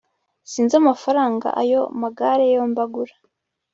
Sinzi amafaranga ayo magare yombi agura